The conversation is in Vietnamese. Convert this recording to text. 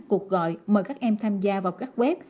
cuộc gọi mời các em tham gia vào các web